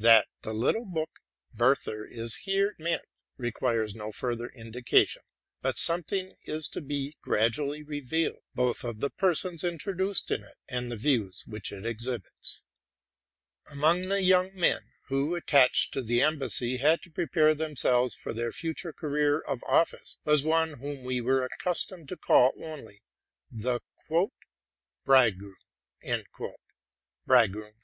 That the little book '* Werther'' is here mesut, requires no further indica tion; but something is to be gradually revealed, both of the persons introduced in it and the views which it exhibits. Among the young men, who, attached to the embassy, had to prepare themselves for their future career of office, was one whom we were accustomed to call only the '+ Bride eroom.